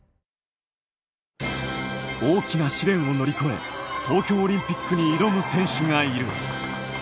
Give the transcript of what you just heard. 大きな試練を乗り越え、東京オリンピックに挑む選手がいる。